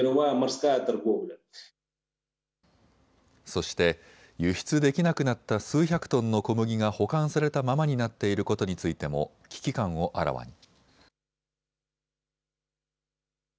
そして輸出できなくなった数百トンの小麦が保管されたままになっていることについても危機感をあらわに。